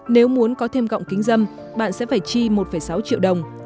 nếu muốn có thêm gọng kính dâm bạn sẽ phải chi một sáu triệu đồng